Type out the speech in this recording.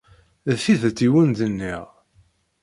D tidet i wen-d-nniɣ.